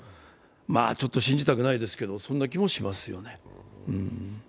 ちょっと信じたくないですけど、そんな気もします。